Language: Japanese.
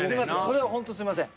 それはほんとすいません。